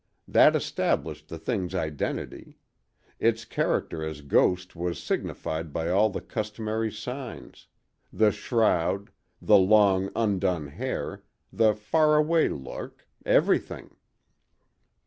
That established the thing's identity; its character as ghost was signified by all the customary signs—the shroud, the long, undone hair, the "far away look"—everything.